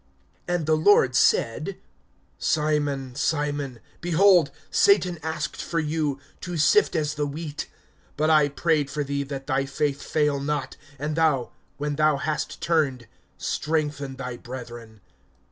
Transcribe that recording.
(31)And the Lord said: Simon, Simon, behold, Satan asked for you, to sift as the wheat. (32)But I prayed for thee, that thy faith fail not; and thou, when thou hast turned, strengthen thy brethren.